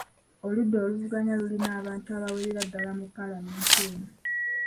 Oludda oluvuganya lulina abantu abawerera ddala mu Paalamenti eno.